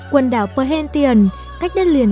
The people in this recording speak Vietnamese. quần đảo perhentian cách đất liền